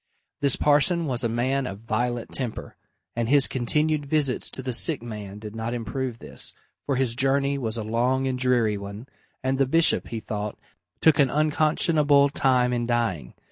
This parson was a man of violent temper, and his continued visits to the sick man did not improve this, for his journey was a long and dreary one, and the bishop, he thought, took an unconscionable time in dying.